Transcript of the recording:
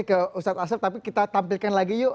saya ke ustaz asyaf tapi kita tampilkan lagi yuk